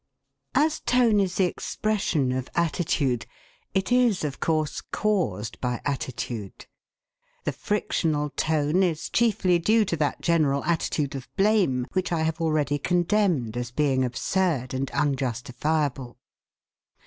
As tone is the expression of attitude, it is, of course, caused by attitude. The frictional tone is chiefly due to that general attitude of blame which I have already condemned as being absurd and unjustifiable.